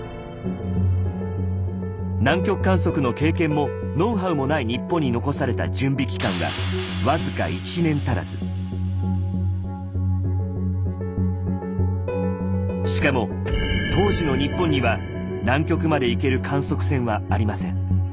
南極観測の経験もノウハウもない日本に残されたしかも当時の日本には南極まで行ける観測船はありません。